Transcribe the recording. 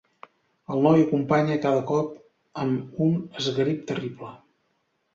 El noi acompanya cada cop amb un esgarip terrible.